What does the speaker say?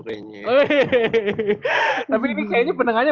tapi ini kayaknya pendengarnya